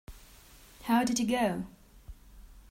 How did you go?